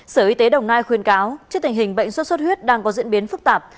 sở y tế đồng nai khuyên cáo trước tình hình bệnh sốt xuất huyết đang có diễn biến phức tạp